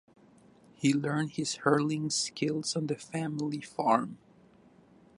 He learned his hurling skills on the family farm.